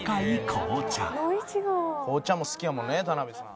紅茶も好きやもんね田辺さん。